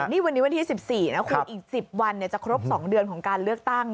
นี่วันนี้วันที่๑๔นะคุณอีก๑๐วันจะครบ๒เดือนของการเลือกตั้ง